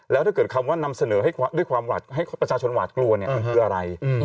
แล้วถ้าเกิดคำว่านำเสนอให้ประชาชนหวาดกลัวมันคืออะไร